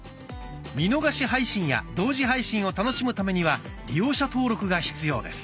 見逃し配信や同時配信を楽しむためには利用者登録が必要です。